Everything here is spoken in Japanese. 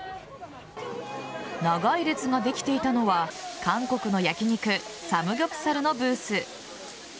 長い列ができていたのは韓国の焼き肉サムギョプサルのブース。